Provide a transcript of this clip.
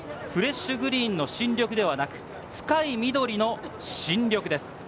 フレッシュグリーンの新緑ではなく、深い緑の深緑です。